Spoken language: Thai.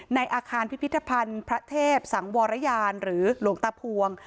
ในอาคารพิพิธภัณฑ์พระเทพสังวรยานหรือหลวงตาพวง